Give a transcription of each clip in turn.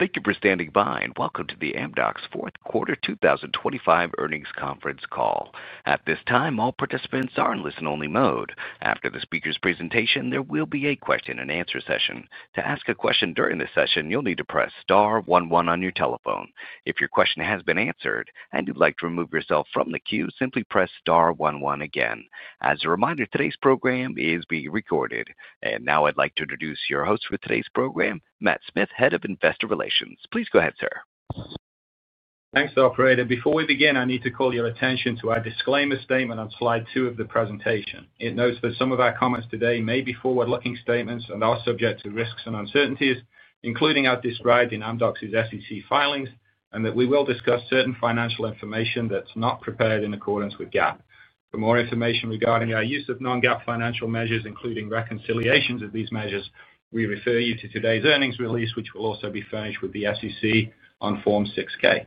Thank you for standing by, and welcome to the Amdocs fourth quarter 2025 earnings conference call. At this time, all participants are in listen-only mode. After the speaker's presentation, there will be a question-and-answer session. To ask a question during this session, you'll need to press star one one on your telephone. If your question has been answered and you'd like to remove yourself from the queue, simply press star one one again. As a reminder, today's program is being recorded. Now I'd like to introduce your host for today's program, Matt Smith, Head of Investor Relations. Please go ahead, sir. Thanks, operator. Before we begin, I need to call your attention to our disclaimer statement on slide two of the presentation. It notes that some of our comments today may be forward-looking statements and are subject to risks and uncertainties, including as described in Amdocs's SEC filings, and that we will discuss certain financial information that's not prepared in accordance with GAAP. For more information regarding our use of Non-GAAP financial measures, including reconciliations of these measures, we refer you to today's earnings release, which will also be furnished with the SEC on Form 6-K.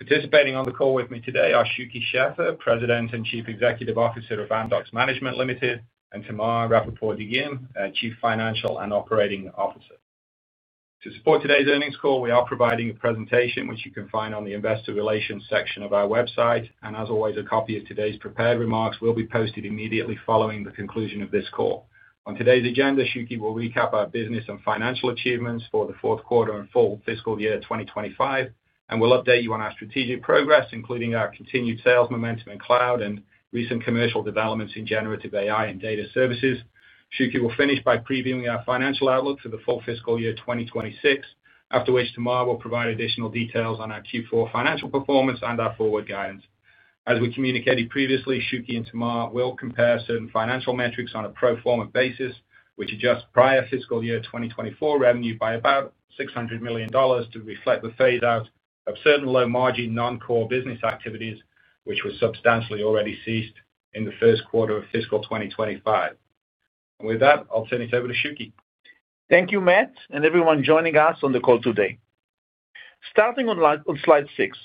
Participating on the call with me today are Shuky Sheffer, President and Chief Executive Officer of Amdocs Management Limited, and Tamar Rapaport-Dagim, Chief Financial and Operating Officer. To support today's earnings call, we are providing a presentation which you can find on the Investor Relations section of our website, and as always, a copy of today's prepared remarks will be posted immediately following the conclusion of this call. On today's agenda, Shuky will recap our business and financial achievements for the fourth quarter and full fiscal year 2025, and will update you on our strategic progress, including our continued sales momentum in cloud and recent commercial developments in generative AI and data services. Shuky will finish by previewing our financial outlook for the full fiscal year 2026, after which Tamar will provide additional details on our Q4 financial performance and our forward guidance. As we communicated previously, Shuky and Tamar will compare certain financial metrics on a pro forma basis, which adjusts prior fiscal year 2024 revenue by about $600 million to reflect the phase-out of certain low-margin non-core business activities, which were substantially already ceased in the first quarter of fiscal 2025. With that, I'll turn it over to Shuky. Thank you, Matt, and everyone joining us on the call today. Starting on slide six,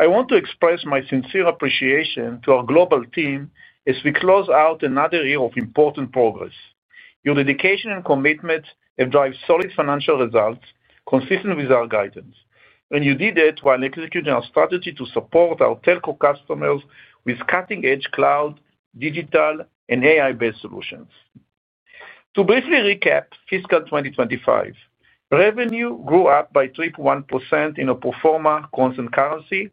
I want to express my sincere appreciation to our global team as we close out another year of important progress. Your dedication and commitment have driven solid financial results consistent with our guidance, and you did it while executing our strategy to support our telco customers with cutting-edge cloud, digital, and AI-based solutions. To briefly recap fiscal 2025, revenue grew up by 3.1% in a pro forma constant currency,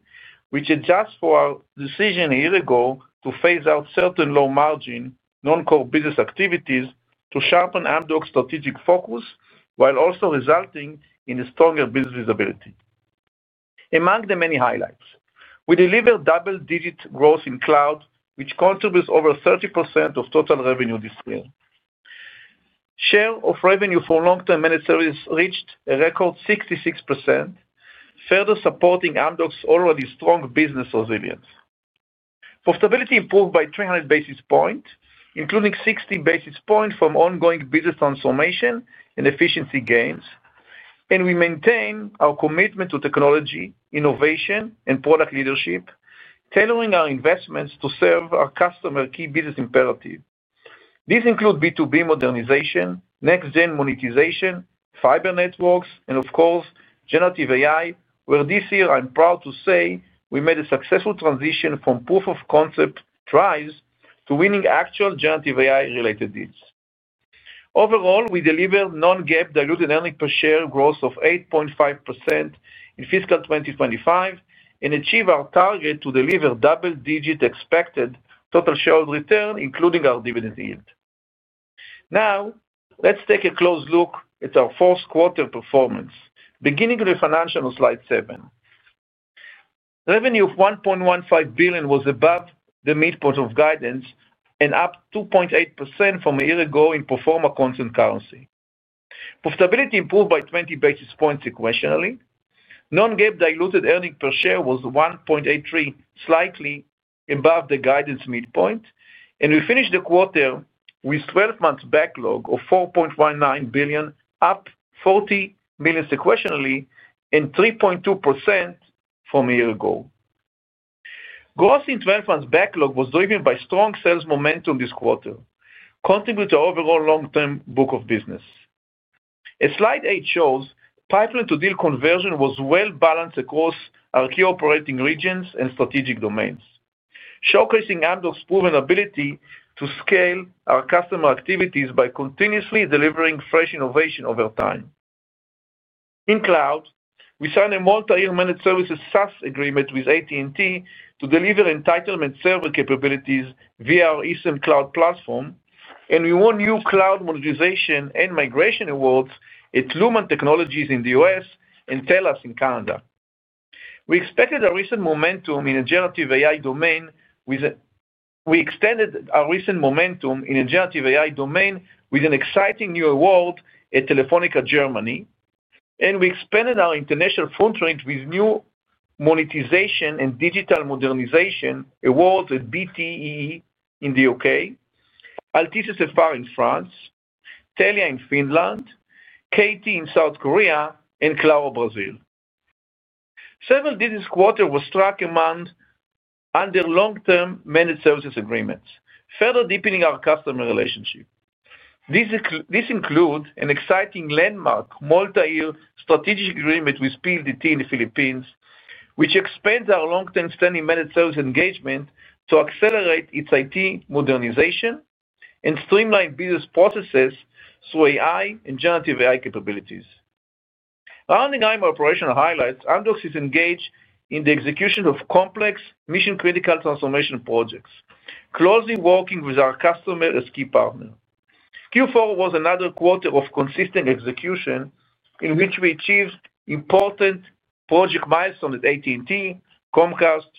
which adjusts for our decision a year ago to phase out certain low-margin non-core business activities to sharpen Amdocs' strategic focus, while also resulting in stronger business visibility. Among the many highlights, we delivered double-digit growth in cloud, which contributes over 30% of total revenue this year. Share of revenue for long-term managed service reached a record 66%, further supporting Amdocs' already strong business resilience. Profitability improved by 300 basis points, including 60 basis points from ongoing business transformation and efficiency gains, and we maintain our commitment to technology, innovation, and product leadership, tailoring our investments to serve our customer's key business imperatives. These include B2B modernization, next-gen monetization, fiber networks, and, of course, generative AI, where this year I'm proud to say we made a successful transition from proof-of-concept tries to winning actual generative AI-related deals. Overall, we delivered Non-GAAP diluted earnings per share growth of 8.5% in fiscal 2025 and achieved our target to deliver double-digit expected total shareholder return, including our dividend yield. Now, let's take a close look at our fourth quarter performance, beginning with financial on slide seven. Revenue of $1.15 billion was above the midpoint of guidance and up 2.8% from a year ago in pro forma constant currency. Profitability improved by 20 basis points sequentially. Non-GAAP diluted earnings per share was $1.83, slightly above the guidance midpoint, and we finished the quarter with a 12-month backlog of $4.19 billion, up $40 million sequentially and 3.2% from a year ago. Growth in 12-month backlog was driven by strong sales momentum this quarter, contributing to our overall long-term book of business. Slide eight shows pipeline-to-deal conversion was well-balanced across our key operating regions and strategic domains, showcasing Amdocs' proven ability to scale our customer activities by continuously delivering fresh innovation over time. In cloud, we signed a multi-year managed services SaaS agreement with AT&T to deliver entitlement server capabilities via our eSIM cloud platform, and we won new cloud modernization and migration awards at Lumen Technologies in the U.S. and TELUS in Canada. We expected our recent momentum in a generative AI domain with an exciting new award at Telefónica Germany, and we expanded our international footprint with new monetization and digital modernization awards at BT Group in the U.K., Altice SFR in France, Telia in Finland, KT Corporation in South Korea, and Claro Brazil. Several business quarters were struck among under long-term managed services agreements, further deepening our customer relationship. This includes an exciting landmark multi-year strategic agreement with PLDT in the Philippines, which expands our long-term standing managed service engagement to accelerate its IT modernization and streamline business processes through AI and generative AI capabilities. Around the time of operational highlights, Amdocs is engaged in the execution of complex mission-critical transformation projects, closely working with our customer as key partner. Q4 was another quarter of consistent execution in which we achieved important project milestones at AT&T, Comcast,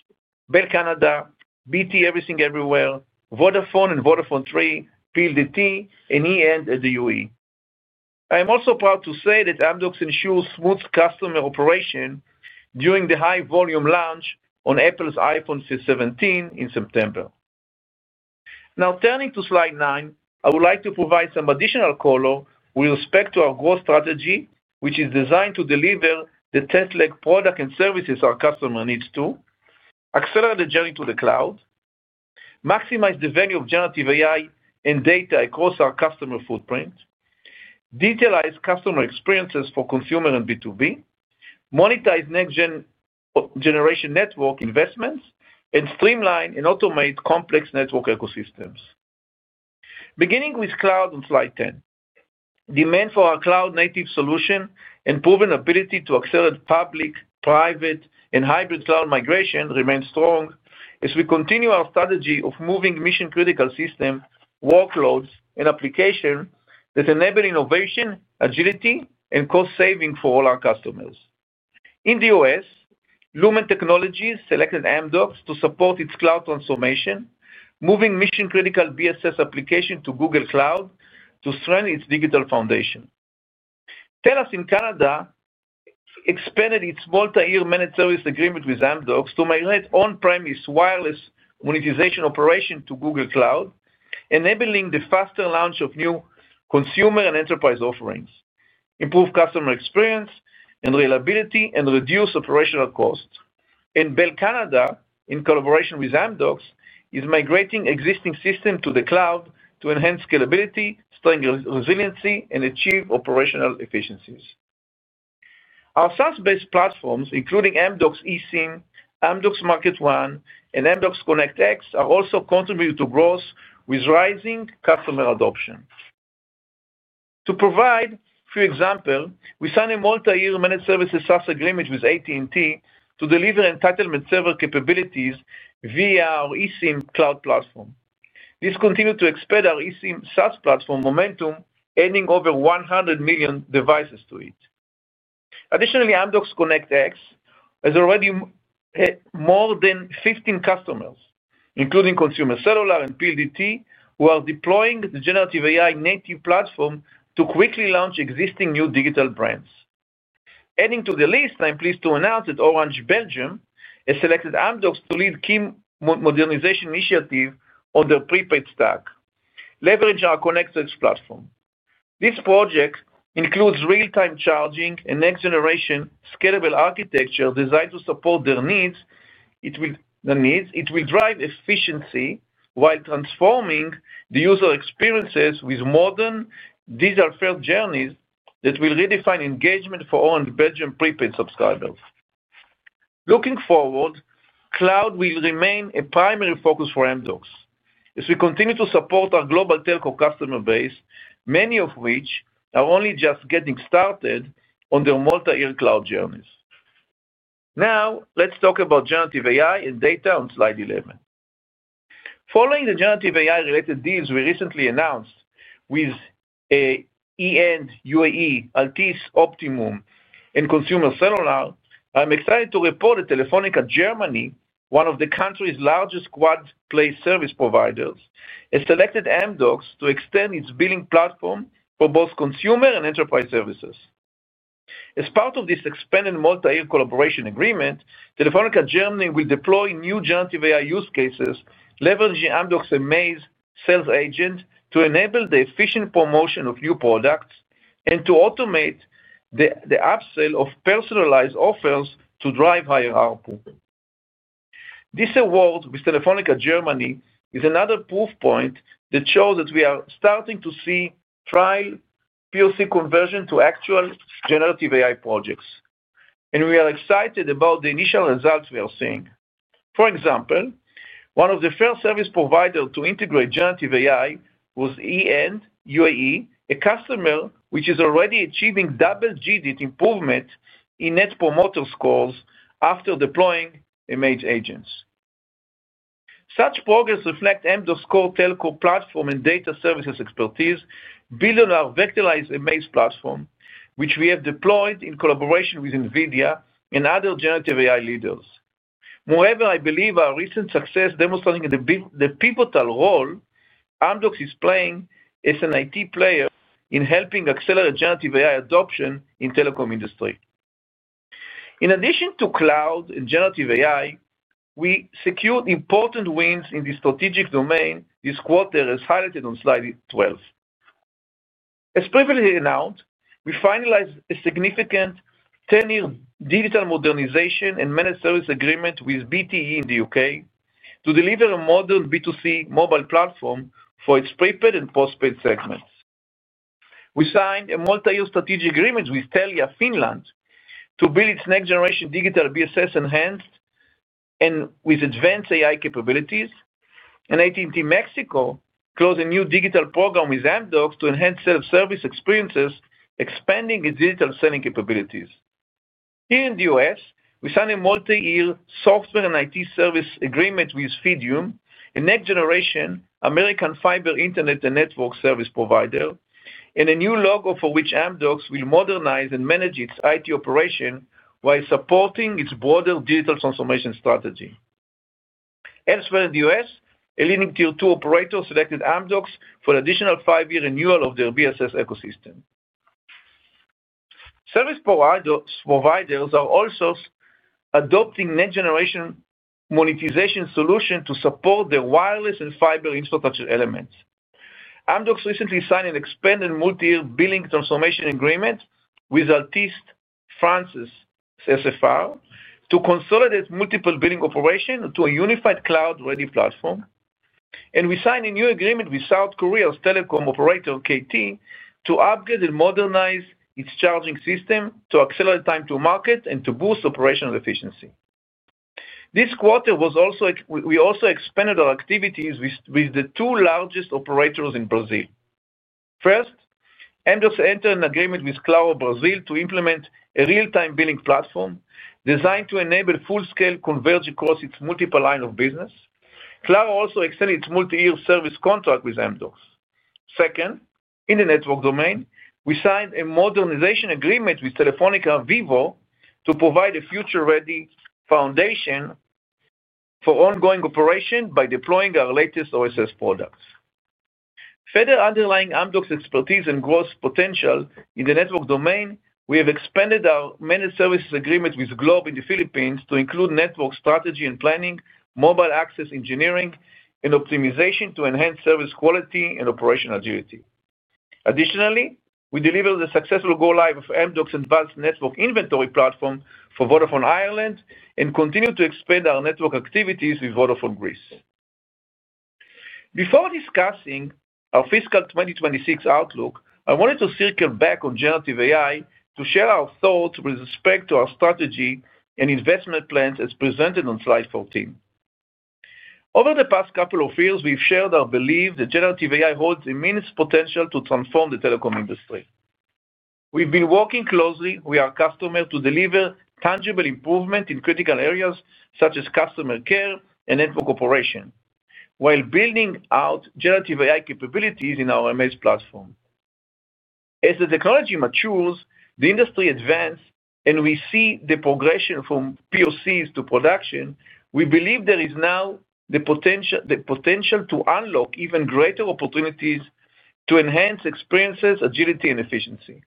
Bell Canada, BT Group, Vodafone, Vodafone 3, PLDT, and E& at the UAE. I am also proud to say that Amdocs ensures smooth customer operation during the high-volume launch on Apple's iPhone 17 in September. Now, turning to slide nine, I would like to provide some additional color with respect to our growth strategy, which is designed to deliver the test leg product and services our customer needs to accelerate the journey to the cloud, maximize the value of generative AI and data across our customer footprint, detailize customer experiences for consumer and B2B, monetize next-generation network investments, and streamline and automate complex network ecosystems. Beginning with cloud on slide 10, demand for our cloud-native solution and proven ability to accelerate public, private, and hybrid cloud migration remains strong as we continue our strategy of moving mission-critical system workloads and applications that enable innovation, agility, and cost saving for all our customers. In the U.S., Lumen Technologies selected Amdocs to support its cloud transformation, moving mission-critical BSS applications to Google Cloud to strengthen its digital foundation. TELUS in Canada expanded its multi-year managed service agreement with Amdocs to migrate on-premise wireless monetization operation to Google Cloud, enabling the faster launch of new consumer and enterprise offerings, improved customer experience and reliability, and reduced operational costs. Bell Canada, in collaboration with Amdocs, is migrating existing systems to the cloud to enhance scalability, strengthen resiliency, and achieve operational efficiencies. Our SaaS-based platforms, including Amdocs eSIM, Amdocs Market One, and Amdocs ConnectX, are also contributing to growth with rising customer adoption. To provide a few examples, we signed a multi-year managed services SaaS agreement with AT&T to deliver entitlement server capabilities via our eSIM cloud platform. This continued to expand our eSIM SaaS platform momentum, adding over 100 million devices to it. Additionally, Amdocs ConnectX has already more than 15 customers, including Consumer Cellular and PLDT, who are deploying the generative AI native platform to quickly launch existing new digital brands. Adding to the list, I'm pleased to announce that Orange Belgium has selected Amdocs to lead a key modernization initiative on their prepaid stack, leveraging our ConnectX platform. This project includes real-time charging and next-generation scalable architecture designed to support their needs. It will drive efficiency while transforming the user experiences with modern, digital-first journeys that will redefine engagement for Orange Belgium prepaid subscribers. Looking forward, cloud will remain a primary focus for Amdocs as we continue to support our global telco customer base, many of which are only just getting started on their multi-year cloud journeys. Now, let's talk about generative AI and data on slide 11. Following the generative AI-related deals we recently announced with E& UAE, Altice Optimum, and Consumer Cellular, I'm excited to report that Telefónica Germany, one of the country's largest quad-play service providers, has selected Amdocs to extend its billing platform for both consumer and enterprise services. As part of this expanded multi-year collaboration agreement, Telefónica Germany will deploy new generative AI use cases, leveraging Amdocs' Amaze sales agent to enable the efficient promotion of new products and to automate the upsell of personalized offers to drive higher output. This award with Telefónica Germany is another proof point that shows that we are starting to see trial POC conversion to actual generative AI projects, and we are excited about the initial results we are seeing. For example, one of the first service providers to integrate generative AI was E& UAE, a customer which is already achieving double-digit improvement in net promoter scores after deploying Amaze agents. Such progress reflects Amdocs' core telco platform and data services expertise, building our vectorized Amaze platform, which we have deployed in collaboration with NVIDIA and other generative AI leaders. Moreover, I believe our recent success demonstrates the pivotal role Amdocs is playing as an IT player in helping accelerate generative AI adoption in the telecom industry. In addition to cloud and generative AI, we secured important wins in the strategic domain this quarter, as highlighted on slide 12. As previously announced, we finalized a significant 10-year digital modernization and managed service agreement with BT Group in the U.K. to deliver a modern B2C mobile platform for its prepaid and postpaid segments. We signed a multi-year strategic agreement with Telia Finland to build its next-generation digital BSS enhanced and with advanced AI capabilities, and AT&T Mexico closed a new digital program with Amdocs to enhance self-service experiences, expanding its digital selling capabilities. Here in the U.S., we signed a multi-year software and IT service agreement with Fidium, a next-generation American fiber internet and network service provider, and a new logo for which Amdocs will modernize and manage its IT operation while supporting its broader digital transformation strategy. Elsewhere in the U.S., a leading tier two operator selected Amdocs for an additional five-year renewal of their BSS ecosystem. Service providers are also adopting next-generation monetization solutions to support their wireless and fiber infrastructure elements. Amdocs recently signed an expanded multi-year billing transformation agreement with Altice SFR to consolidate multiple billing operations to a unified cloud-ready platform, and we signed a new agreement with South Korea's telecom operator KT to upgrade and modernize its charging system to accelerate time to market and to boost operational efficiency. This quarter, we also expanded our activities with the two largest operators in Brazil. First, Amdocs entered an agreement with Claro Brazil to implement a real-time billing platform designed to enable full-scale convergence across its multiple lines of business. Claro also extended its multi-year service contract with Amdocs. Second, in the network domain, we signed a modernization agreement with Telefónica Vivo to provide a future-ready foundation for ongoing operation by deploying our latest OSS products. Further underlining Amdocs' expertise and growth potential in the network domain, we have expanded our managed services agreement with Globe in the Philippines to include network strategy and planning, mobile access engineering, and optimization to enhance service quality and operational agility. Additionally, we delivered the successful go-live of Amdocs' advanced network inventory platform for Vodafone Ireland and continue to expand our network activities with Vodafone Greece. Before discussing our fiscal 2026 outlook, I wanted to circle back on generative AI to share our thoughts with respect to our strategy and investment plans as presented on slide 14. Over the past couple of years, we've shared our belief that generative AI holds immense potential to transform the telecom industry. We've been working closely with our customer to deliver tangible improvements in critical areas such as customer care and network operation while building out generative AI capabilities in our Amaze platform. As the technology matures, the industry advances, and we see the progression from POCs to production. We believe there is now the potential to unlock even greater opportunities to enhance experiences, agility, and efficiency.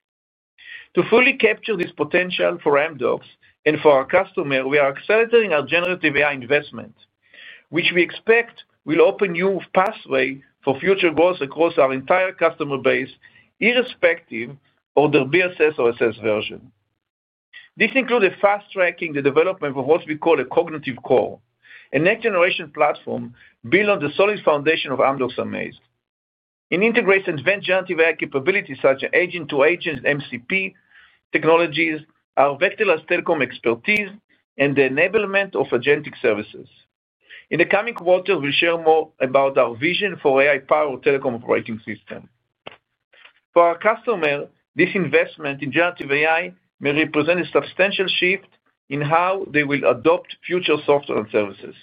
To fully capture this potential for Amdocs and for our customer, we are accelerating our generative AI investment, which we expect will open new pathways for future growth across our entire customer base, irrespective of their BSS or OSS version. This includes fast-tracking the development of what we call a Cognitive Core, a next-generation platform built on the solid foundation of Amdocs Amaze. It integrates advanced generative AI capabilities such as agent-to-agent MCP technologies, our vectorized telecom expertise, and the enablement of agentic services. In the coming quarter, we'll share more about our vision for AI-powered telecom operating systems. For our customer, this investment in generative AI may represent a substantial shift in how they will adopt future software and services.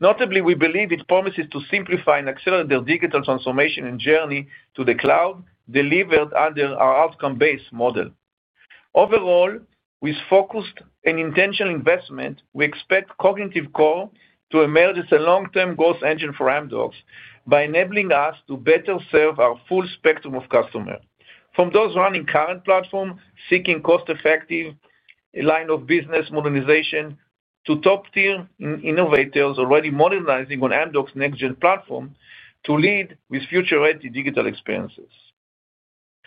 Notably, we believe it promises to simplify and accelerate their digital transformation and journey to the cloud, delivered under our outcome-based model. Overall, with focused and intentional investment, we expect Cognitive Core to emerge as a long-term growth engine for Amdocs by enabling us to better serve our full spectrum of customers, from those running current platforms seeking cost-effective lines of business modernization to top-tier innovators already modernizing on Amdocs' next-gen platform to lead with future-ready digital experiences.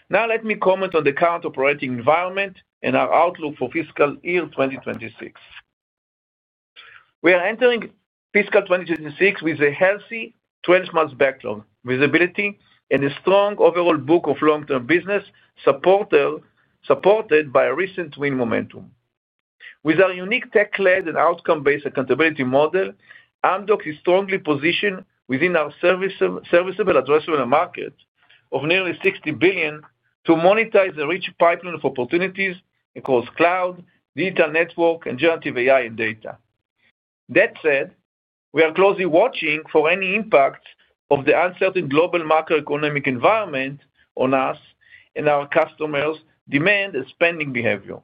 Now, let me comment on the current operating environment and our outlook for fiscal year 2026. We are entering fiscal 2026 with a healthy 12-month backlog visibility and a strong overall book of long-term business supported by a recent win momentum. With our unique tech-led and outcome-based accountability model, Amdocs is strongly positioned within our serviceable addressable market of nearly $60 billion to monetize a rich pipeline of opportunities across cloud, digital network, and generative AI and data. That said, we are closely watching for any impact of the uncertain global macroeconomic environment on us and our customers' demand and spending behavior,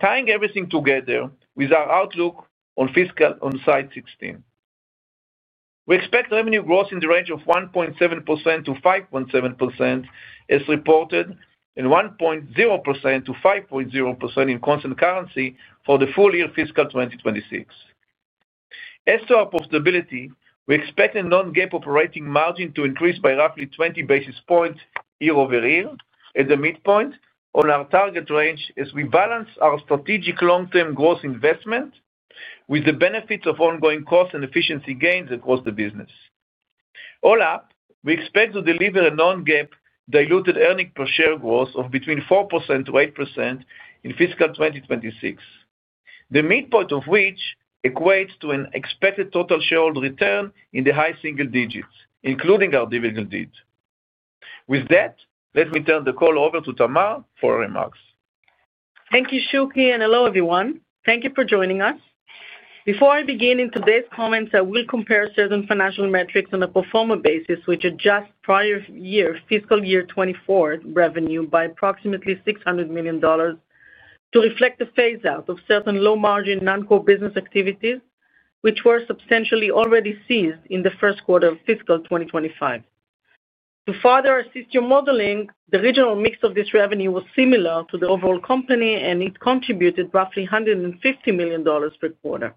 tying everything together with our outlook on fiscal on slide 16. We expect revenue growth in the range of 1.7%-5.7% as reported and 1.0%-5.0% in constant currency for the full year fiscal 2026. As to our profitability, we expect a Non-GAAP operating margin to increase by roughly 20 basis points year-over-year at the midpoint on our target range as we balance our strategic long-term growth investment with the benefits of ongoing cost and efficiency gains across the business. All up, we expect to deliver a Non-GAAP diluted earning per share growth of between 4%-8% in fiscal 2026, the midpoint of which equates to an expected total shareholder return in the high single digits, including our dividend yield. With that, let me turn the call over to Tamar for her remarks. Thank you, Shuky Sheffer, and hello, everyone. Thank you for joining us. Before I begin in today's comments, I will compare certain financial metrics on a pro forma basis, which adjust prior year fiscal year 2024 revenue by approximately $600 million to reflect the phase-out of certain low-margin non-core business activities, which were substantially already ceased in the first quarter of fiscal 2025. To further assist your modeling, the regional mix of this revenue was similar to the overall company, and it contributed roughly $150 million per quarter.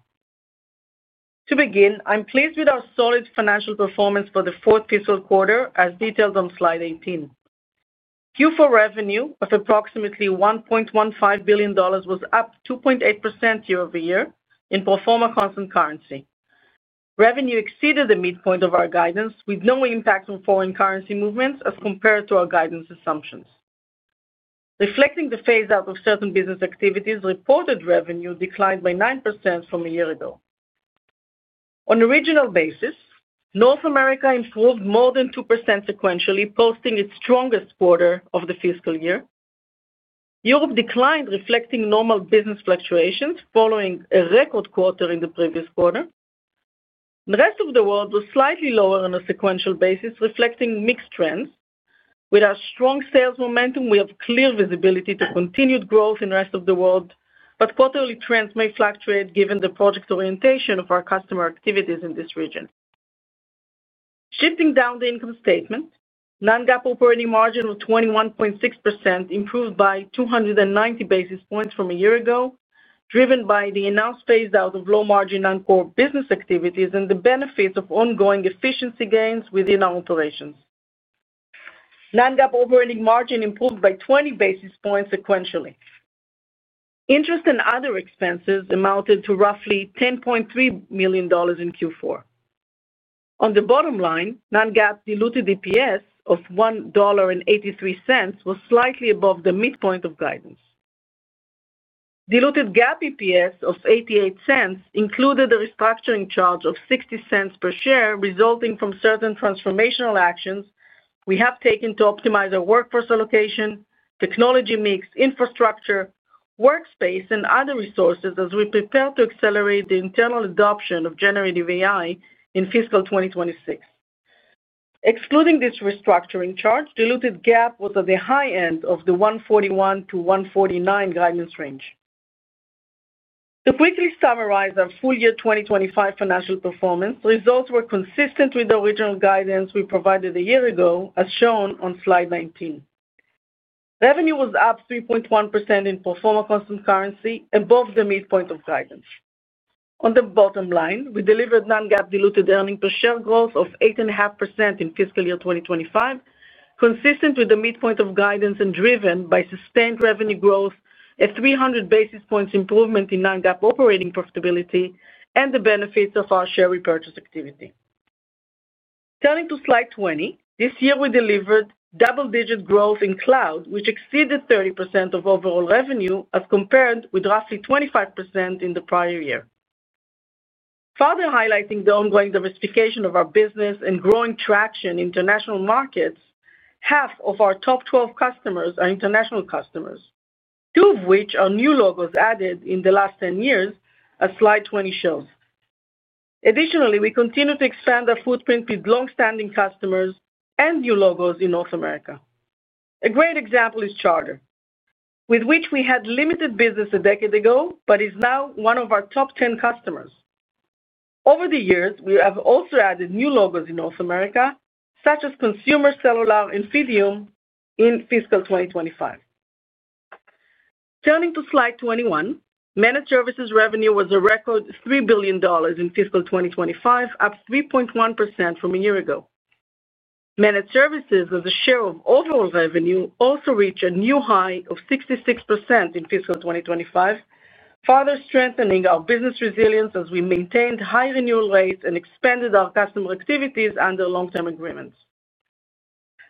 To begin, I'm pleased with our solid financial performance for the fourth fiscal quarter, as detailed on slide 18. Q4 revenue of approximately $1.15 billion was up 2.8% year-over-year in pro forma constant currency. Revenue exceeded the midpoint of our guidance with no impact on foreign currency movements as compared to our guidance assumptions. Reflecting the phase-out of certain business activities, reported revenue declined by 9% from a year ago. On a regional basis, North America improved more than 2% sequentially, posting its strongest quarter of the fiscal year. Europe declined, reflecting normal business fluctuations following a record quarter in the previous quarter. The rest of the world was slightly lower on a sequential basis, reflecting mixed trends. With our strong sales momentum, we have clear visibility to continued growth in the rest of the world, but quarterly trends may fluctuate given the project orientation of our customer activities in this region. Shifting down the income statement, Non-GAAP operating margin of 21.6% improved by 290 basis points from a year ago, driven by the announced phase-out of low-margin non-core business activities and the benefits of ongoing efficiency gains within our operations. Non-GAAP operating margin improved by 20 basis points sequentially. Interest and other expenses amounted to roughly $10.3 million in Q4. On the bottom line, Non-GAAP diluted EPS of $1.83 was slightly above the midpoint of guidance. Diluted GAAP EPS of $0.88 included a restructuring charge of $0.60 per share resulting from certain transformational actions we have taken to optimize our workforce allocation, technology mix, infrastructure, workspace, and other resources as we prepare to accelerate the internal adoption of generative AI in fiscal 2026. Excluding this restructuring charge, diluted GAAP was at the high end of the $1.41-$1.49 guidance range. To quickly summarize our full year 2025 financial performance, results were consistent with the original guidance we provided a year ago, as shown on slide 19. Revenue was up 3.1% in pro forma constant currency, above the midpoint of guidance. On the bottom line, we delivered Non-GAAP diluted earnings per share growth of 8.5% in fiscal year 2025, consistent with the midpoint of guidance and driven by sustained revenue growth, a 300 basis points improvement in Non-GAAP operating profitability, and the benefits of our share repurchase activity. Turning to slide 20, this year we delivered double-digit growth in cloud, which exceeded 30% of overall revenue as compared with roughly 25% in the prior year. Further highlighting the ongoing diversification of our business and growing traction in international markets, half of our top 12 customers are international customers, two of which are new logos added in the last 10 years, as slide 20 shows. Additionally, we continue to expand our footprint with long-standing customers and new logos in North America. A great example is Charter Communications, with which we had limited business a decade ago but is now one of our top 10 customers. Over the years, we have also added new logos in North America, such as Consumer Cellular and Fidium in fiscal 2025. Turning to slide 21, managed services revenue was a record $3 billion in fiscal 2025, up 3.1% from a year ago. Managed services as a share of overall revenue also reached a new high of 66% in fiscal 2025, further strengthening our business resilience as we maintained high renewal rates and expanded our customer activities under long-term agreements.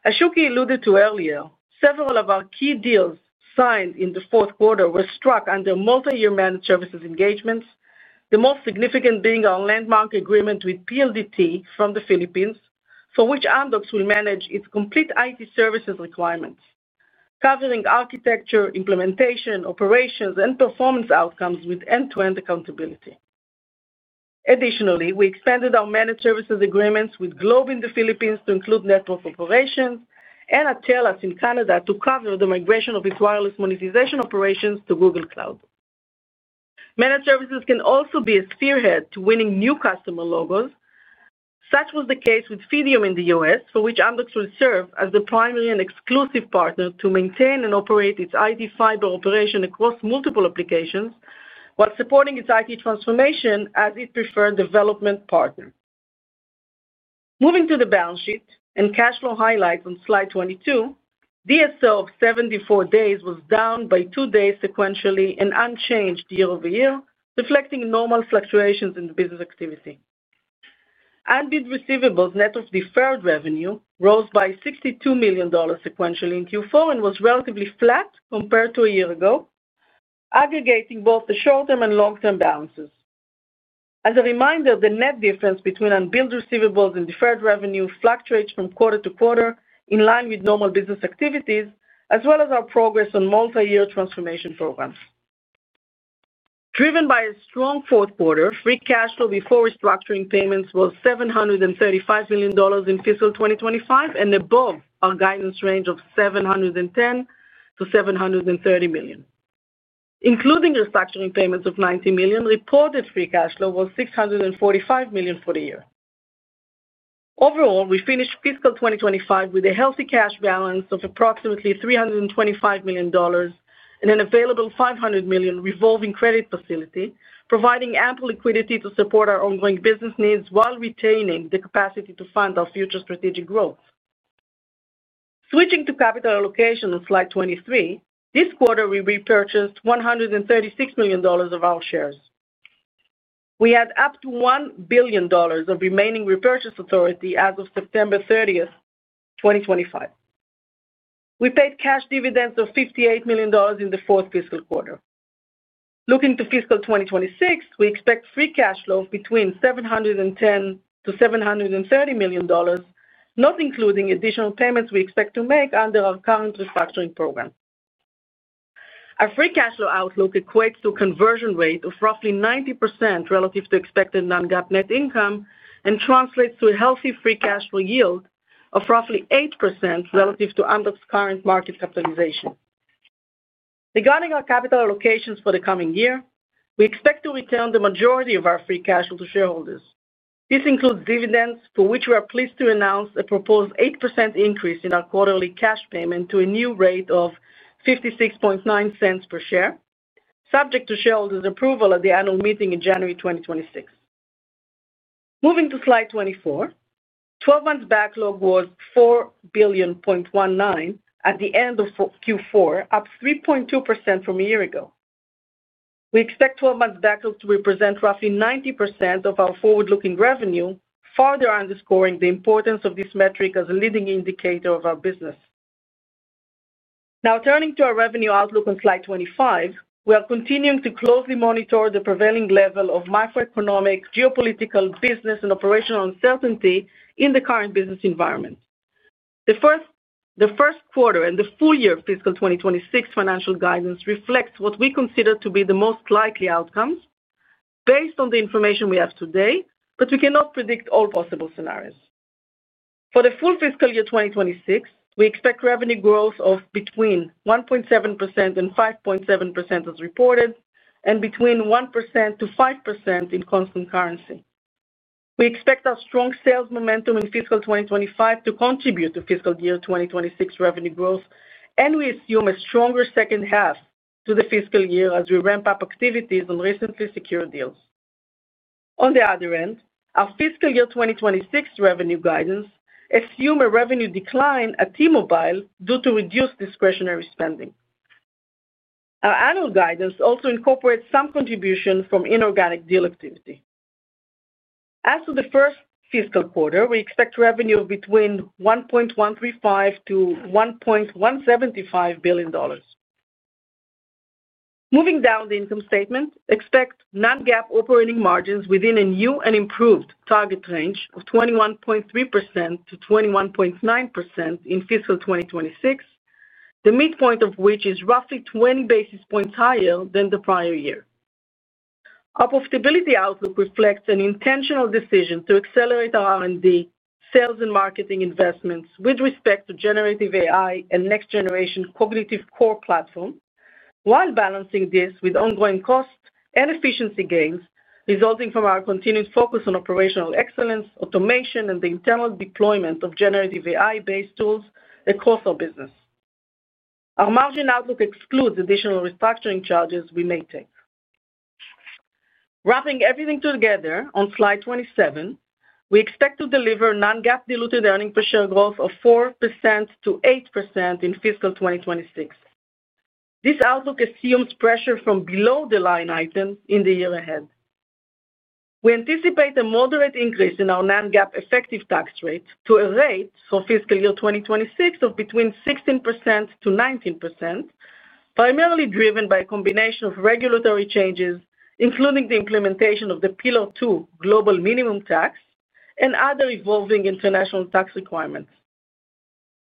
As Shuky alluded to earlier, several of our key deals signed in the fourth quarter were struck under multi-year managed services engagements, the most significant being our landmark agreement with PLDT from the Philippines, for which Amdocs will manage its complete IT services requirements, covering architecture, implementation, operations, and performance outcomes with end-to-end accountability. Additionally, we expanded our managed services agreements with Globe in the Philippines to include network operations and with TELUS in Canada to cover the migration of its wireless monetization operations to Google Cloud. Managed services can also be a spearhead to winning new customer logos, such was the case with Fidium in the U.S., for which Amdocs will serve as the primary and exclusive partner to maintain and operate its IT fiber operation across multiple applications while supporting its IT transformation as its preferred development partner. Moving to the balance sheet and cash flow highlights on slide 22, DSO of 74 days was down by two days sequentially and unchanged year-over-year, reflecting normal fluctuations in the business activity. Unbilled receivables net of deferred revenue rose by $62 million sequentially in Q4 and was relatively flat compared to a year ago, aggregating both the short-term and long-term balances. As a reminder, the net difference between unbilled receivables and deferred revenue fluctuates from quarter to quarter in line with normal business activities, as well as our progress on multi-year transformation programs. Driven by a strong fourth quarter, free cash flow before restructuring payments was $735 million in fiscal 2025 and above our guidance range of $710 million-$730 million. Including restructuring payments of $90 million, reported free cash flow was $645 million for the year. Overall, we finished fiscal 2025 with a healthy cash balance of approximately $325 million and an available $500 million revolving credit facility, providing ample liquidity to support our ongoing business needs while retaining the capacity to fund our future strategic growth. Switching to capital allocation on slide 23, this quarter we repurchased $136 million of our shares. We had up to $1 billion of remaining repurchase authority as of September 30, 2025. We paid cash dividends of $58 million in the fourth fiscal quarter. Looking to fiscal 2026, we expect free cash flow between $710 million-$730 million, not including additional payments we expect to make under our current restructuring program. Our free cash flow outlook equates to a conversion rate of roughly 90% relative to expected Non-GAAP net income and translates to a healthy free cash flow yield of roughly 8% relative to Amdocs' current market capitalization. Regarding our capital allocations for the coming year, we expect to return the majority of our free cash flow to shareholders. This includes dividends, for which we are pleased to announce a proposed 8% increase in our quarterly cash payment to a new rate of $0.569 per share, subject to shareholders' approval at the annual meeting in January 2026. Moving to slide 24, 12-month backlog was $4.19 billion at the end of Q4, up 3.2% from a year ago. We expect 12-month backlog to represent roughly 90% of our forward-looking revenue, further underscoring the importance of this metric as a leading indicator of our business. Now, turning to our revenue outlook on slide 25, we are continuing to closely monitor the prevailing level of macroeconomic, geopolitical, business, and operational uncertainty in the current business environment. The first quarter and the full year fiscal 2026 financial guidance reflects what we consider to be the most likely outcomes based on the information we have today, but we cannot predict all possible scenarios. For the full fiscal year 2026, we expect revenue growth of between 1.7%-5.7% as reported and between 1%-5% in constant currency. We expect our strong sales momentum in fiscal 2025 to contribute to fiscal year 2026 revenue growth, and we assume a stronger second half to the fiscal year as we ramp up activities on recently secured deals. On the other end, our fiscal year 2026 revenue guidance assumes a revenue decline at T-Mobile due to reduced discretionary spending. Our annual guidance also incorporates some contribution from inorganic deal activity. As for the first fiscal quarter, we expect revenue of between $1.135 billion-$1.175 billion. Moving down the income statement, expect Non-GAAP operating margins within a new and improved target range of 21.3%-21.9% in fiscal 2026, the midpoint of which is roughly 20 basis points higher than the prior year. Our profitability outlook reflects an intentional decision to accelerate our R&D, sales, and marketing investments with respect to generative AI and next-generation Cognitive Core platform, while balancing this with ongoing costs and efficiency gains resulting from our continued focus on operational excellence, automation, and the internal deployment of generative AI-based tools across our business. Our margin outlook excludes additional restructuring charges we may take. Wrapping everything together on slide 27, we expect to deliver Non-GAAP diluted earnings per share growth of 4%-8% in fiscal 2026. This outlook assumes pressure from below the line item in the year ahead. We anticipate a moderate increase in our Non-GAAP effective tax rate to a rate for fiscal year 2026 of between 16%-19%, primarily driven by a combination of regulatory changes, including the implementation of the Pillar II global minimum tax and other evolving international tax requirements.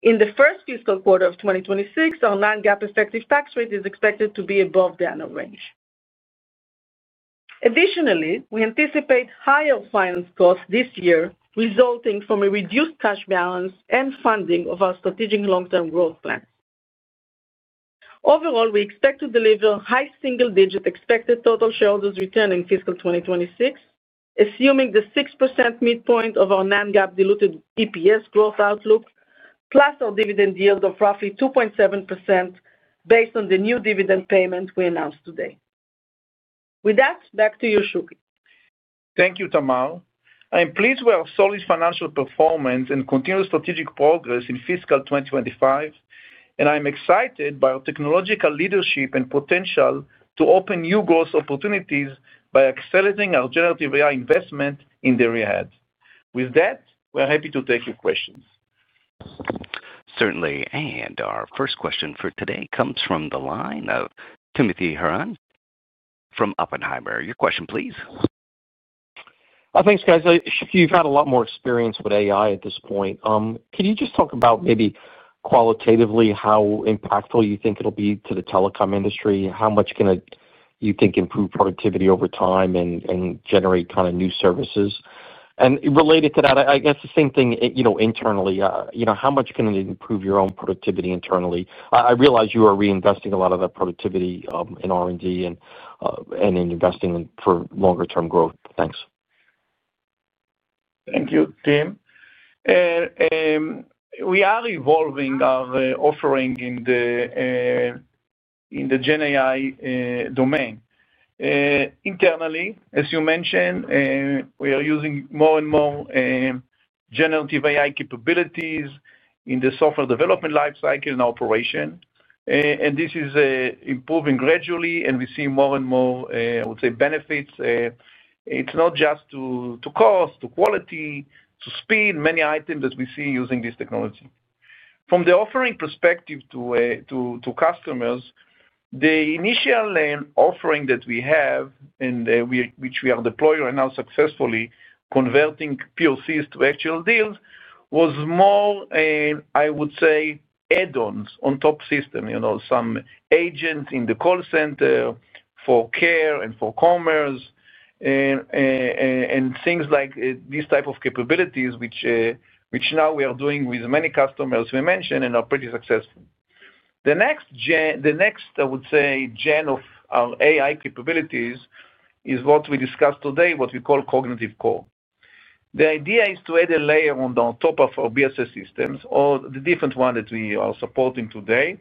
In the first fiscal quarter of 2026, our Non-GAAP effective tax rate is expected to be above the annual range. Additionally, we anticipate higher finance costs this year resulting from a reduced cash balance and funding of our strategic long-term growth plans. Overall, we expect to deliver high single-digit expected total shareholders' return in fiscal 2026, assuming the 6% midpoint of our Non-GAAP diluted EPS growth outlook, plus our dividend yield of roughly 2.7% based on the new dividend payment we announced today. With that, back to you, Shuky. Thank you, Tamar. I'm pleased with our solid financial performance and continued strategic progress in fiscal 2025, and I'm excited by our technological leadership and potential to open new growth opportunities by accelerating our generative AI investment in the year ahead. With that, we're happy to take your questions. Certainly. Our first question for today comes from the line of Tim Horan from Oppenheimer. Your question, please. Thanks, guys. You've had a lot more experience with AI at this point. Can you just talk about maybe qualitatively how impactful you think it'll be to the telecom industry? How much can it, you think, improve productivity over time and generate kind of new services? Related to that, I guess the same thing internally. How much can it improve your own productivity internally? I realize you are reinvesting a lot of that productivity in R&D and in investing for longer-term growth. Thanks. Thank you, Tim. We are evolving our offering in the Gen AI domain. Internally, as you mentioned, we are using more and more generative AI capabilities in the software development lifecycle and operation. This is improving gradually, and we see more and more, I would say, benefits. It's not just to cost, to quality, to speed, many items that we see using this technology. From the offering perspective to customers, the initial offering that we have and which we are deploying right now successfully, converting POCs to actual deals, was more, I would say, add-ons on top systems, some agents in the call center for care and for commerce and things like these types of capabilities, which now we are doing with many customers we mentioned and are pretty successful. The next, I would say, gen of our AI capabilities is what we discussed today, what we call Cognitive Core. The idea is to add a layer on top of our BSS systems or the different one that we are supporting today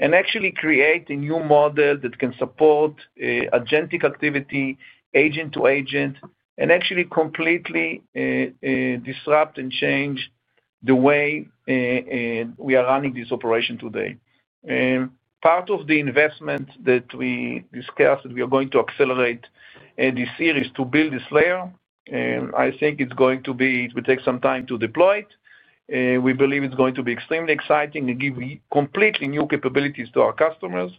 and actually create a new model that can support agentic activity, agent to agent, and actually completely disrupt and change the way we are running this operation today. Part of the investment that we discussed that we are going to accelerate this series to build this layer, I think it's going to be it will take some time to deploy it. We believe it's going to be extremely exciting and give completely new capabilities to our customers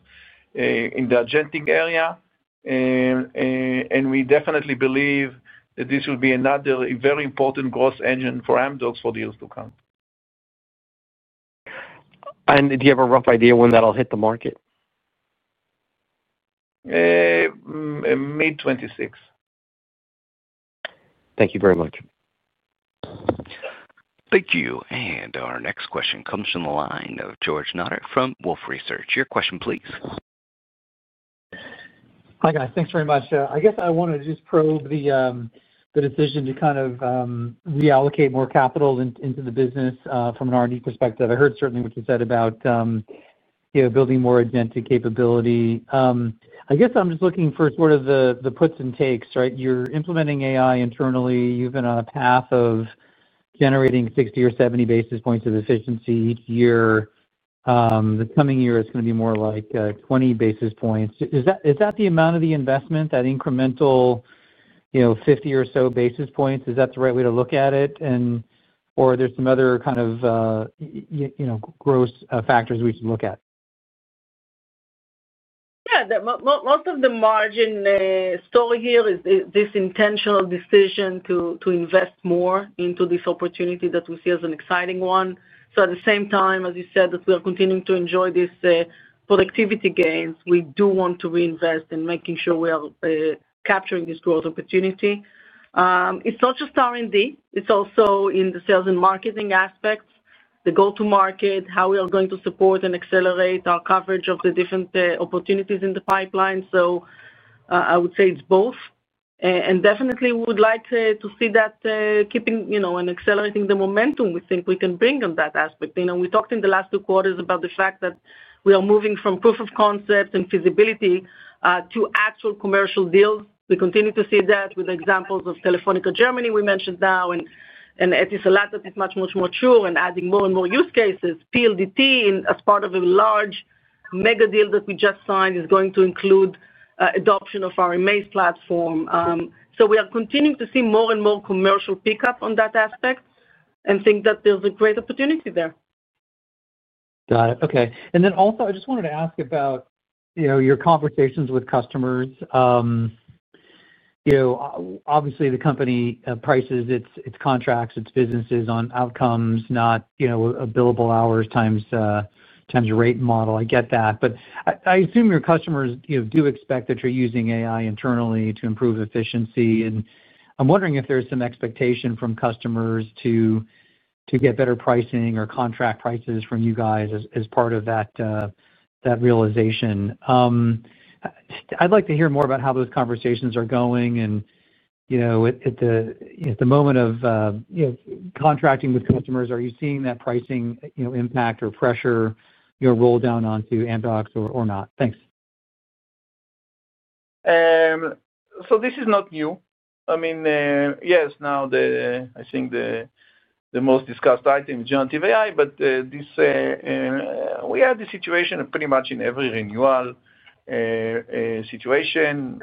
in the agentic area. We definitely believe that this will be another very important growth engine for Amdocs for deals to come. Do you have a rough idea when that'll hit the market? Mid-2026. Thank you very much. Thank you. Our next question comes from the line of George Notter from Wolfe Research. Your question, please. Hi, guys. Thanks very much. I guess I wanted to just probe the decision to kind of reallocate more capital into the business from an R&D perspective. I heard certainly what you said about building more agentic capability. I guess I'm just looking for sort of the puts and takes, right? You're implementing AI internally. You've been on a path of generating 60 or 70 basis points of efficiency each year. The coming year is going to be more like 20 basis points. Is that the amount of the investment, that incremental 50 or so basis points? Is that the right way to look at it? And/or are there some other kind of gross factors we should look at? Yeah. Most of the margin story here is this intentional decision to invest more into this opportunity that we see as an exciting one. At the same time, as you said, that we are continuing to enjoy these productivity gains, we do want to reinvest in making sure we are capturing this growth opportunity. It's not just R&D. It's also in the sales and marketing aspects, the go-to-market, how we are going to support and accelerate our coverage of the different opportunities in the pipeline. I would say it's both. Definitely, we would like to see that keeping and accelerating the momentum we think we can bring on that aspect. We talked in the last two quarters about the fact that we are moving from proof of concept and feasibility to actual commercial deals. We continue to see that with examples of Telefónica Germany we mentioned now, and E& that is much, much more mature and adding more and more use cases. PLDT, as part of a large mega deal that we just signed, is going to include adoption of our Amaze platform. So we are continuing to see more and more commercial pickup on that aspect and think that there's a great opportunity there. Got it. Okay. I just wanted to ask about your conversations with customers. Obviously, the company prices its contracts, its businesses on outcomes, not billable hours times rate model. I get that. I assume your customers do expect that you're using AI internally to improve efficiency. I'm wondering if there's some expectation from customers to get better pricing or contract prices from you guys as part of that realization. I'd like to hear more about how those conversations are going. At the moment of contracting with customers, are you seeing that pricing impact or pressure roll down onto Amdocs or not? Thanks. This is not new. I mean, yes, now I think the most discussed item is generative AI, but we had the situation pretty much in every renewal situation.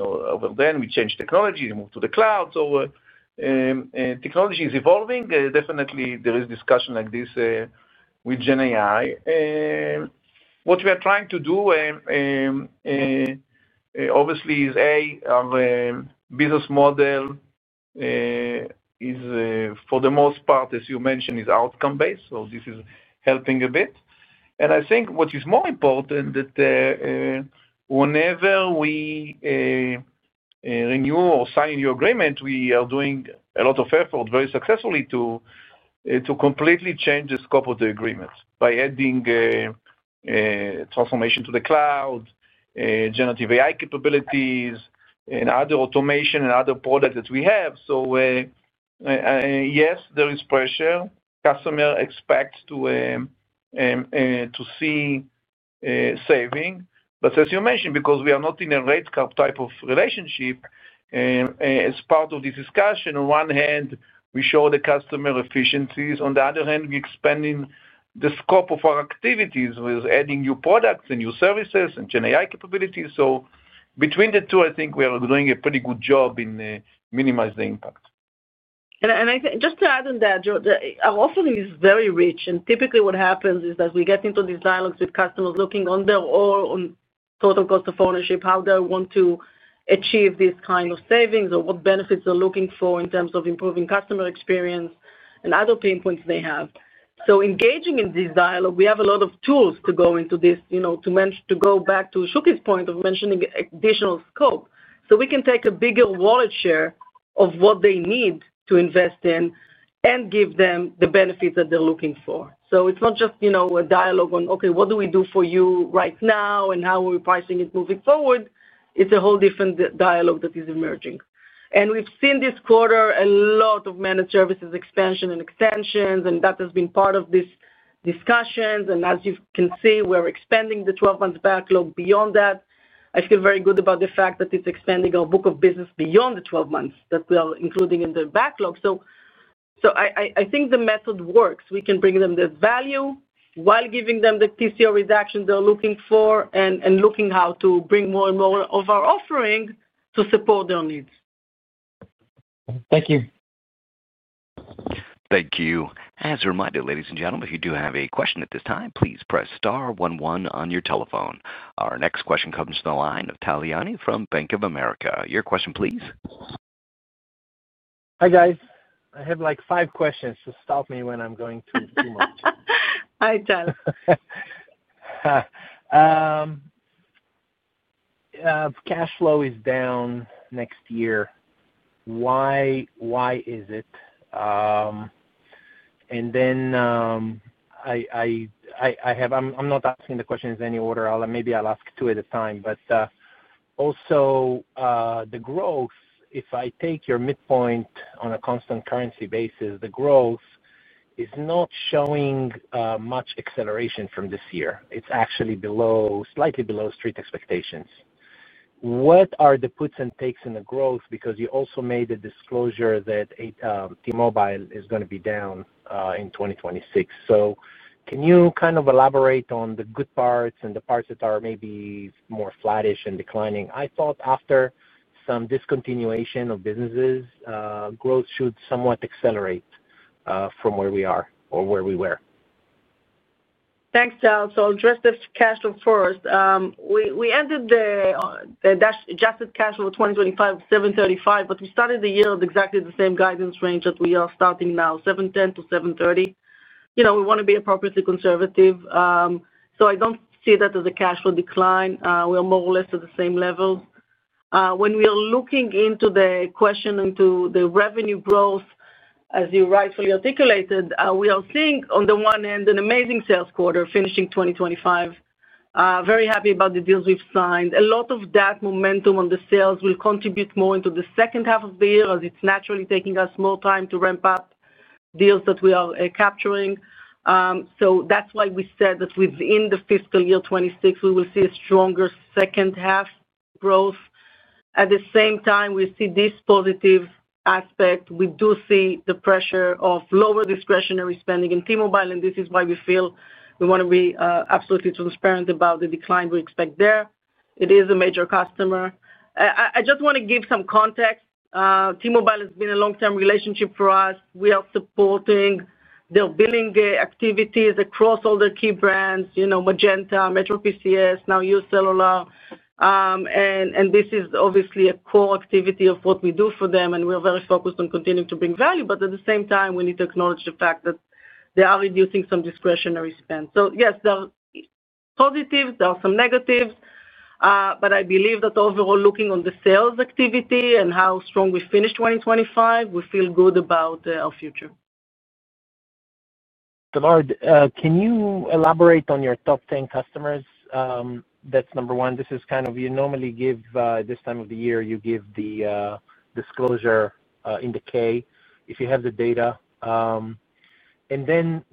Over then, we changed technology, moved to the cloud. Technology is evolving. Definitely, there is discussion like this with Gen AI. What we are trying to do, obviously, is, A, our business model is, for the most part, as you mentioned, outcome-based. This is helping a bit. I think what is more important is that whenever we renew or sign a new agreement, we are doing a lot of effort very successfully to completely change the scope of the agreement by adding transformation to the cloud, generative AI capabilities, and other automation and other products that we have. Yes, there is pressure. Customers expect to see saving. As you mentioned, because we are not in a rate type of relationship, as part of this discussion, on one hand, we show the customer efficiencies. On the other hand, we're expanding the scope of our activities with adding new products and new services and GenAI capabilities. Between the two, I think we are doing a pretty good job in minimizing the impact. Just to add on that, our offering is very rich. Typically, what happens is that we get into these dialogues with customers looking on their own total cost of ownership, how they want to achieve these kinds of savings, or what benefits they're looking for in terms of improving customer experience and other pain points they have. Engaging in this dialogue, we have a lot of tools to go into this to go back to Shuky’s point of mentioning additional scope. We can take a bigger wallet share of what they need to invest in and give them the benefits that they're looking for. It is not just a dialogue on, "Okay, what do we do for you right now, and how are we pricing it moving forward?" It is a whole different dialogue that is emerging. We have seen this quarter a lot of managed services expansion and extensions, and that has been part of these discussions. As you can see, we're expanding the 12-month backlog. Beyond that, I feel very good about the fact that it's expanding our book of business beyond the 12 months that we are including in the backlog. I think the method works. We can bring them the value while giving them the TCO redaction they're looking for and looking how to bring more and more of our offering to support their needs. Thank you. Thank you. As a reminder, ladies and gentlemen, if you do have a question at this time, please press star one one on your telephone. Our next question comes to the line of Tal Liani from Bank of America. Your question, please. Hi, guys. I have like five questions. Just stop me when I'm going through too much. I tell. Cash flow is down next year. Why is it? I'm not asking the questions in any order. Maybe I'll ask two at a time. Also, the growth, if I take your midpoint on a constant currency basis, the growth is not showing much acceleration from this year. It's actually slightly below street expectations. What are the puts and takes in the growth? Because you also made a disclosure that T-Mobile is going to be down in 2026. Can you kind of elaborate on the good parts and the parts that are maybe more flattish and declining? I thought after some discontinuation of businesses, growth should somewhat accelerate from where we are or where we were. Thanks, Tal. Adjusted cash flow first. We ended the adjusted cash flow 2025, $735, but we started the year with exactly the same guidance range that we are starting now, $710-$730. We want to be appropriately conservative. I don't see that as a cash flow decline. We are more or less at the same levels. When we are looking into the question into the revenue growth, as you rightfully articulated, we are seeing on the one hand an amazing sales quarter finishing 2025. Very happy about the deals we've signed. A lot of that momentum on the sales will contribute more into the second half of the year as it's naturally taking us more time to ramp up deals that we are capturing. That's why we said that within the fiscal year 2026, we will see a stronger second-half growth. At the same time, we see this positive aspect. We do see the pressure of lower discretionary spending in T-Mobile, and this is why we feel we want to be absolutely transparent about the decline we expect there. It is a major customer. I just want to give some context. T-Mobile has been a long-term relationship for us. We are supporting their billing activities across all their key brands, Magenta, MetroPCS, now UCellular. This is obviously a core activity of what we do for them, and we are very focused on continuing to bring value. At the same time, we need to acknowledge the fact that they are reducing some discretionary spend. Yes, there are positives. There are some negatives. I believe that overall, looking on the sales activity and how strong we finish 2025, we feel good about our future. Tamar, can you elaborate on your top 10 customers? That is number one. This is kind of you normally give this time of the year, you give the disclosure in the K if you have the data.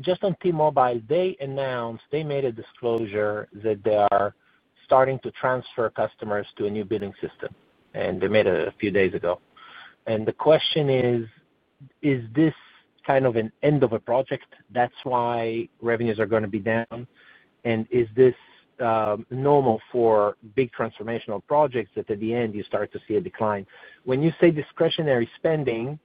Just on T-Mobile, they announced they made a disclosure that they are starting to transfer customers to a new billing system, and they made it a few days ago. The question is, is this kind of an end of a project? That's why revenues are going to be down. Is this normal for big transformational projects that at the end you start to see a decline? When you say discretionary spending,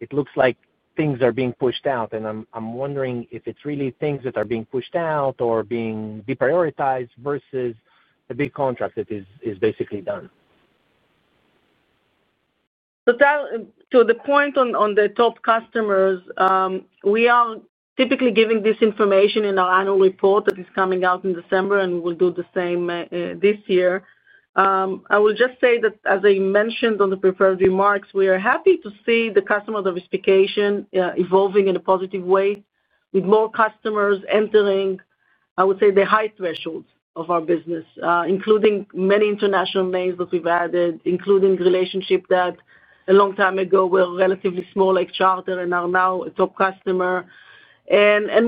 it looks like things are being pushed out. I'm wondering if it's really things that are being pushed out or being deprioritized versus a big contract that is basically done. To the point on the top customers, we are typically giving this information in our annual report that is coming out in December, and we will do the same this year. I will just say that, as I mentioned on the preferred remarks, we are happy to see the customer diversification evolving in a positive way with more customers entering, I would say, the high thresholds of our business, including many international names that we've added, including relationships that a long time ago were relatively small like Charter and are now a top customer. When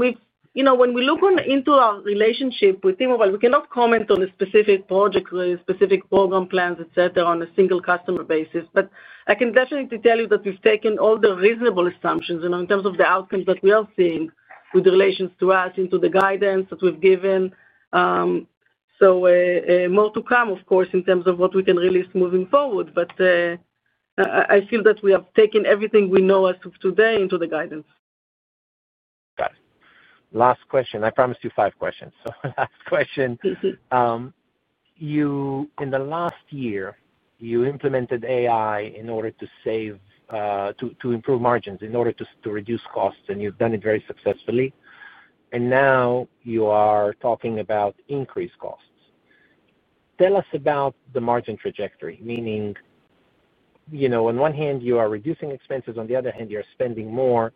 we look into our relationship with T-Mobile, we cannot comment on a specific project or specific program plans, etc., on a single customer basis. I can definitely tell you that we've taken all the reasonable assumptions in terms of the outcomes that we are seeing with relations to us into the guidance that we've given. More to come, of course, in terms of what we can release moving forward. I feel that we have taken everything we know as of today into the guidance. Got it. Last question. I promised you five questions. Last question. In the last year, you implemented AI in order to improve margins, in order to reduce costs, and you've done it very successfully. Now you are talking about increased costs. Tell us about the margin trajectory, meaning on one hand, you are reducing expenses. On the other hand, you're spending more.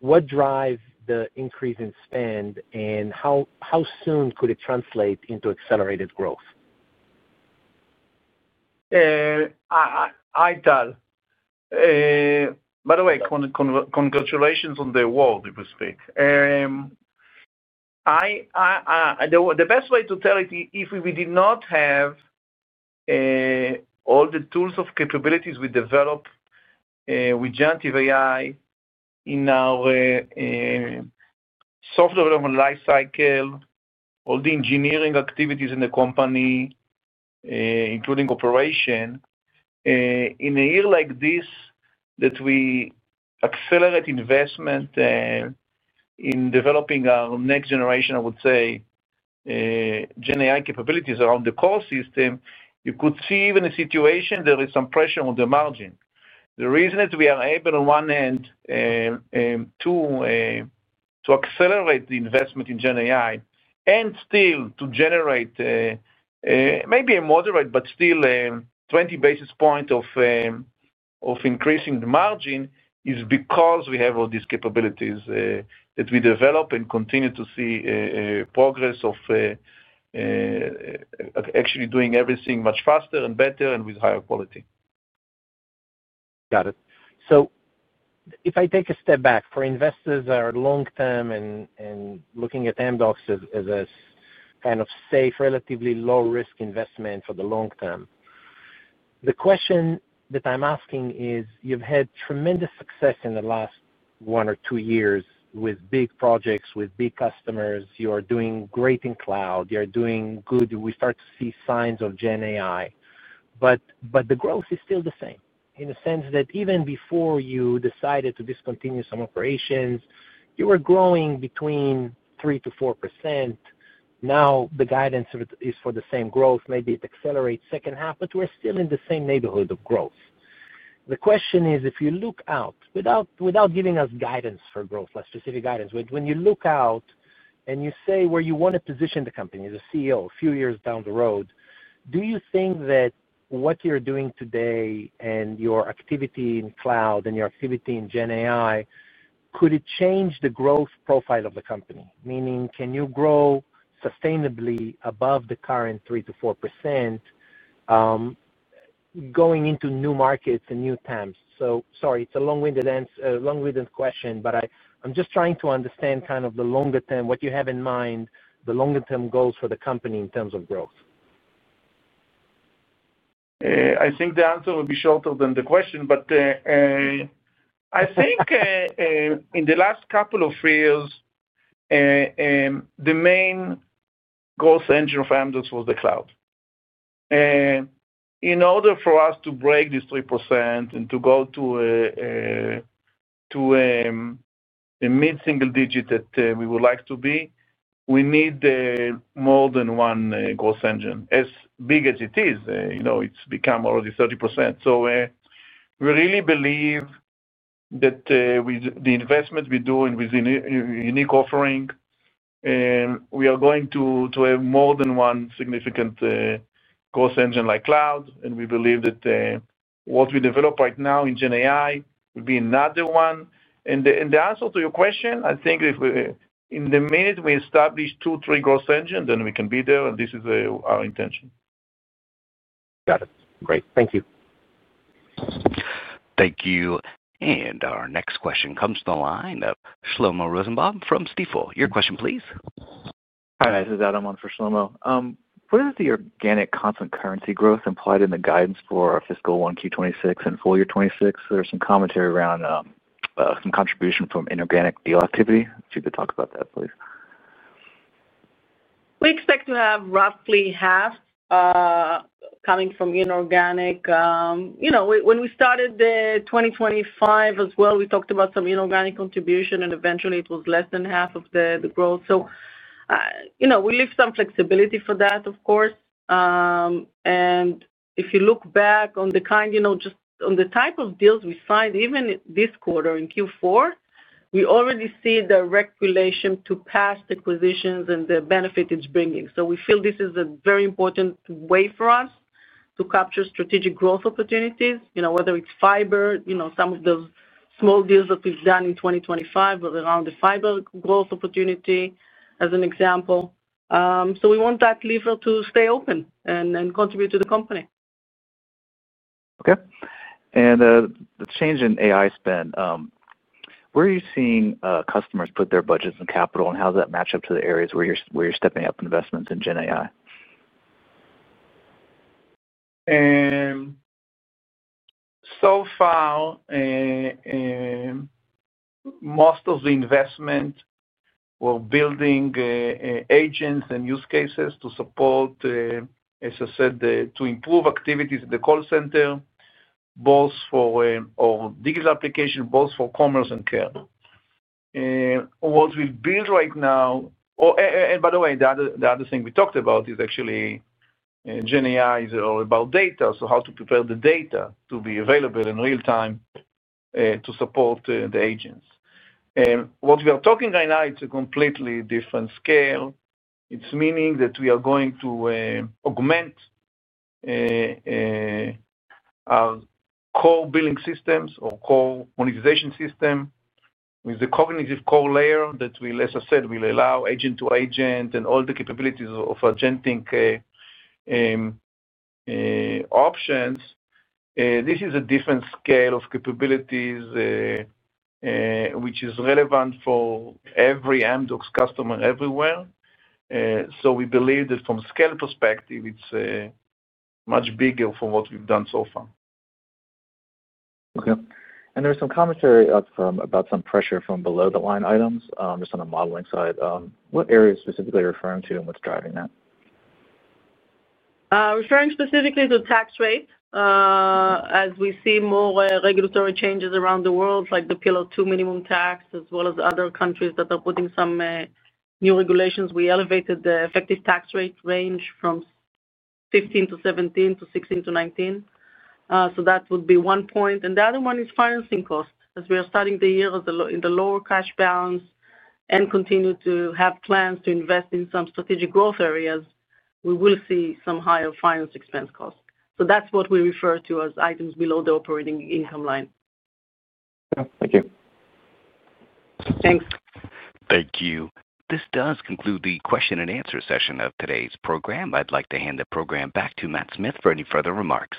What drives the increase in spend, and how soon could it translate into accelerated growth? Hi, Tal. By the way, congratulations on the award, if we speak. The best way to tell it, if we did not have all the tools or capabilities we develop with generative AI in our software development lifecycle, all the engineering activities in the company, including operation, in a year like this that we accelerate investment in developing our next generation, I would say, Gen AI capabilities around the core system, you could see even a situation there is some pressure on the margin. The reason is we are able on one end to accelerate the investment in Gen AI and still to generate maybe a moderate, but still 20 basis points of increasing the margin is because we have all these capabilities that we develop and continue to see progress of actually doing everything much faster and better and with higher quality. Got it. If I take a step back, for investors that are long-term and looking at Amdocs as a kind of safe, relatively low-risk investment for the long term, the question that I'm asking is, you've had tremendous success in the last one or two years with big projects, with big customers. You are doing great in cloud. You're doing good. We start to see signs of Gen AI. The growth is still the same in the sense that even before you decided to discontinue some operations, you were growing between 3%-4%. Now the guidance is for the same growth. Maybe it accelerates second half, but we're still in the same neighborhood of growth. The question is, if you look out without giving us guidance for growth, specific guidance, when you look out and you say where you want to position the company as a CEO a few years down the road, do you think that what you're doing today and your activity in cloud and your activity in Gen AI, could it change the growth profile of the company? Meaning, can you grow sustainably above the current 3%-4% going into new markets and new temps? So sorry, it's a long-winded question, but I'm just trying to understand kind of the longer term, what you have in mind, the longer-term goals for the company in terms of growth. I think the answer will be shorter than the question, but I think in the last couple of years, the main growth engine for Amdocs was the cloud. In order for us to break this 3% and to go to a mid-single digit that we would like to be, we need more than one growth engine, as big as it is. It's become already 30%. We really believe that with the investment we do and with unique offering, we are going to have more than one significant growth engine like cloud. We believe that what we develop right now in Gen AI will be another one. The answer to your question, I think in the minute we establish two, three growth engines, then we can be there, and this is our intention. Got it. Great. Thank you. Thank you. Our next question comes to the line of Shlomo Rosenbaum from Stifel. Your question, please. Hi, guys. This is Adam on for Shlomo. What is the organic constant currency growth implied in the guidance for fiscal 1Q 2026 and full year 2026? There's some commentary around some contribution from inorganic deal activity. If you could talk about that, please. We expect to have roughly half coming from inorganic. When we started the 2025 as well, we talked about some inorganic contribution, and eventually, it was less than half of the growth. We leave some flexibility for that, of course. If you look back on the kind, just on the type of deals we signed, even this quarter in Q4, we already see direct relation to past acquisitions and the benefit it's bringing. We feel this is a very important way for us to capture strategic growth opportunities, whether it's fiber, some of those small deals that we've done in 2025, but around the fiber growth opportunity, as an example. We want that lever to stay open and contribute to the company. Okay. The change in AI spend, where are you seeing customers put their budgets and capital, and how does that match up to the areas where you're stepping up investments in Gen AI? So far, most of the investment were building agents and use cases to support, as I said, to improve activities in the call center, both for digital applications, both for commerce and care. What we've built right now, and by the way, the other thing we talked about is actually Gen AI is all about data, so how to prepare the data to be available in real time to support the agents. What we are talking right now, it's a completely different scale. It's meaning that we are going to augment our core billing systems or core monetization system with the Cognitive Core layer that we, as I said, will allow agent to agent and all the capabilities of agenting options. This is a different scale of capabilities which is relevant for every Amdocs customer everywhere. We believe that from a scale perspective, it's much bigger for what we've done so far. Okay. There's some commentary about some pressure from below the line items just on the modeling side. What area specifically are you referring to, and what's driving that? Referring specifically to tax rate. As we see more regulatory changes around the world, like the Pillar 2 minimum tax, as well as other countries that are putting some new regulations, we elevated the effective tax rate range from 15%-17% to 16%-19%. That would be one point. The other one is financing costs. As we are starting the year in the lower cash balance and continue to have plans to invest in some strategic growth areas, we will see some higher finance expense costs. That is what we refer to as items below the operating income line. Thank you. Thanks. Thank you. This does conclude the question-and-answer session of today's program. I'd like to hand the program back to Matt Smith for any further remarks.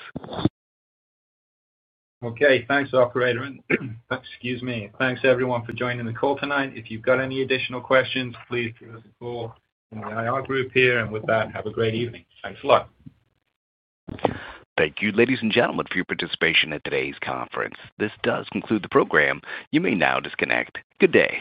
Okay. Thanks, Operator. Excuse me. Thanks, everyone, for joining the call tonight. If you've got any additional questions, please give us a call in the IR group here. With that, have a great evening. Thanks a lot. Thank you, ladies and gentlemen, for your participation at today's conference. This does conclude the program. You may now disconnect. Good day.